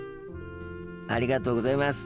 ありがとうございます。